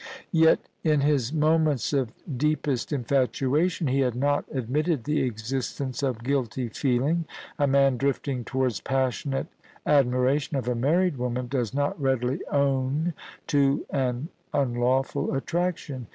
Yet in his moments of deepest infatuation, he had not admitted the existence of guilty feeling. A man drifting towards passionate admiration of a married woman, does not readily own to an unlawful attraction.